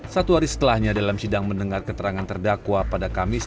satu hari setelahnya dalam sidang mendengar keterangan terdakwa pada kamis